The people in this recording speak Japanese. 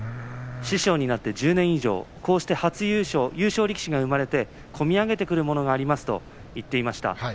師匠になって１０年以上こうして初優勝優勝力士が生まれて込み上げてくるものがありますと言っていました。